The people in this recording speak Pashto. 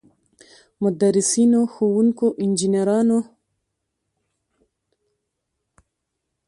مدرسینو، ښوونکو، انجنیرانو.